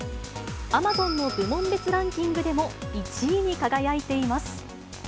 アマゾンの部門別ランキングでも、１位に輝いています。